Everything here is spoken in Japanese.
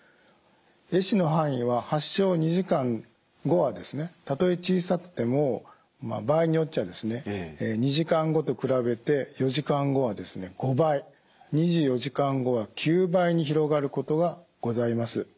え死の範囲は発症２時間後はたとえ小さくても場合によっては２時間後と比べて４時間後は５倍２４時間後は９倍に広がることがございます。